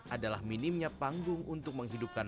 adalah minimnya panggung untuk menghidupkan